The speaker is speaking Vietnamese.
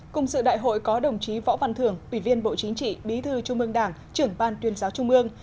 cùng sự đại hội có đồng chí võ văn thường ủy viên bộ chính trị bí thư trung ương đảng trưởng ban tuyên giáo trung ương